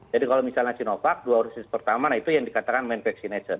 jadi kalau misalnya sinovac dua dosis pertama itu yang dikatakan main vaccination